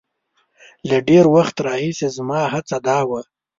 له ډېر وخت راهیسې زما هڅه دا وه.